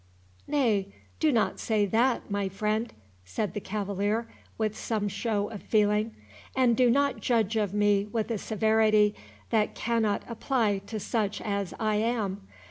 "Nay, do not say that, my friend," said the cavalier, with some show of feeling; "and do not judge of me with a severity that cannot apply to such as I am.